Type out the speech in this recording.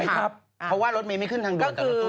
ไม่ทับเพราะว่ารถเมล์ไม่ขึ้นทางด่วนแต่รถตู้ขึ้น